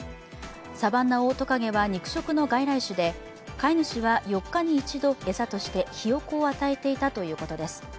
サバンナオオトカゲは肉食の外来種で飼い主は４日に一度、餌としてひよこを与えていたということです。